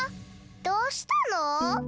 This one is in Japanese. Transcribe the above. どうしたの？